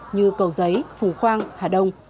như cầu giấy phùng khoang hà đông